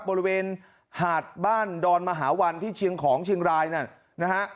บริเวณหาดบ้านดอนมหาวันที่เชียงของเชียงรายนั่นนะฮะ